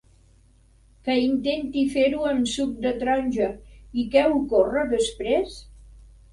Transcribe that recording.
Que intenti fer-ho amb suc de taronja, i què ocorre després?